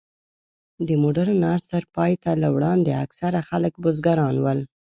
د مډرن عصر پای ته له وړاندې، اکثره خلک بزګران ول.